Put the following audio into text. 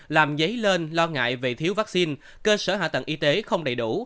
làm dấy lên lo ngại về thiếu vaccine cơ sở hạ tầng y tế không đầy đủ